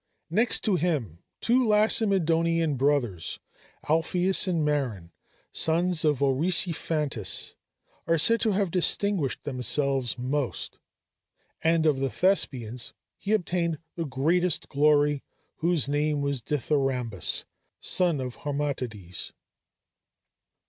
Next to him, two Lacedæmonian brothers, Alpheus and Maron, sons of Orisiphantus, are said to have distinguished themselves most; and of the Thespians, he obtained the greatest glory whose name was Dithyrambus, son of Harmatides.